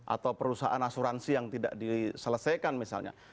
atau perusahaan asuransi yang tidak diselesaikan misalnya